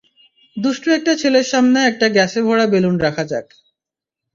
দুষ্টু একটা ছেলের সামনে একটা গ্যাসে ভরা বেলুন রাখা যাক।